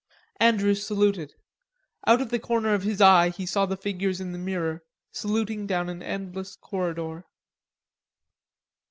Andrews saluted. Out of the corner of his eye he saw the figures in the mirror, saluting down an endless corridor.